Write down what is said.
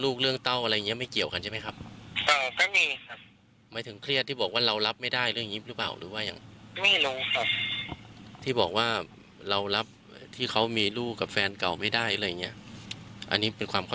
และล่าสุดนี้ได้คุยกันไหมครับหลังจากเกิดเหตุ